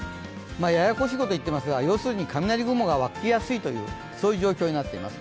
ややこしいことを言っていますが要するに雷雲が湧きやすいということになっています。